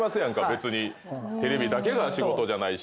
別にテレビだけが仕事じゃない。